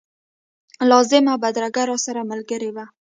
لازمه بدرګه راسره ملګرې وه.